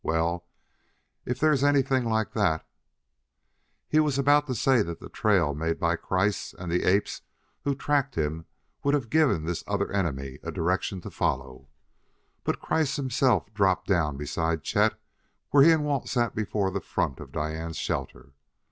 Well, if there is anything like that " He was about to say that the trail made by Kreiss and the apes who tracked him would have given this other enemy a direction to follow, but Kreiss himself dropped down beside Chet where he and Walt sat before the front of Diane's shelter.